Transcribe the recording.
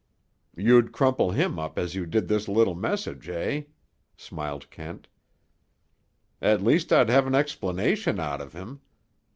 "You'd crumple him up as you did his little message, eh?" smiled Kent. "At least I'd have an explanation out of him.